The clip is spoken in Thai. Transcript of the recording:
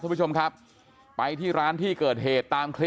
พี่พี่พี่พี่พี่พี่พี่พี่พี่พี่พี่